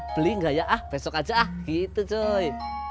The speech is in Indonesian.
beli gak ya ah besok aja ah gitu cuy